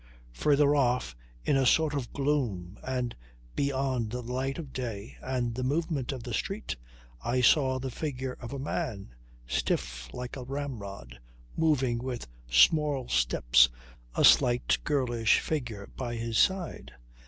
Further off, in a sort of gloom and beyond the light of day and the movement of the street, I saw the figure of a man, stiff like a ramrod, moving with small steps, a slight girlish figure by his side.